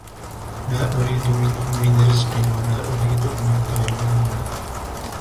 ما أريد منهم من رزق وما أريد أن يطعمون